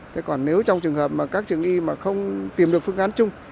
thế còn nếu trong trường hợp mà các trường y mà không tìm được phương án chung